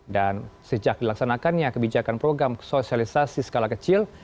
dan sejak dilaksanakannya kebijakan program sosialisasi skala kecil